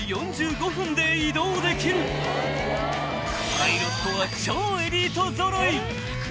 ［パイロットは超エリート揃い］